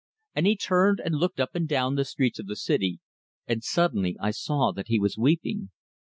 And he turned, and looked up and down the streets of the city, and suddenly I saw that he was weeping.